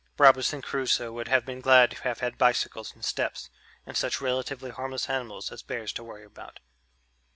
Robinson Crusoe would have been glad to have had bicycles and steps and such relatively harmless animals as bears to worry about.